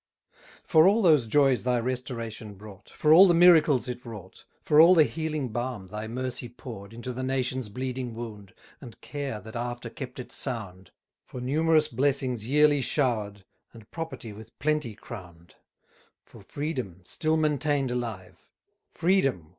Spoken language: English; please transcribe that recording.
For all those joys thy restoration brought, For all the miracles it wrought, For all the healing balm thy mercy pour'd Into the nation's bleeding wound, And care that after kept it sound, For numerous blessings yearly shower'd, And property with plenty crown'd; For freedom, still maintain'd alive Freedom!